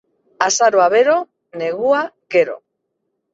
Azaroa bero, negua gero.